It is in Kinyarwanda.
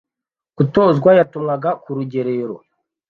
gutozwa yatumwaga ku rugerero”.